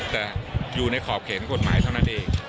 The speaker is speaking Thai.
แต่อยู่ในขอบเข็นกฎหมายเท่านั้นเอง